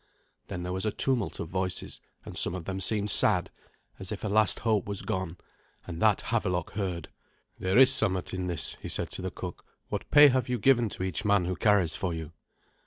Then there was a tumult of voices, and some of them seemed sad, as if a last hope was gone, and that Havelok heard. "There is somewhat in this," he said to the cook. "What pay have you given to each man who carries for you?"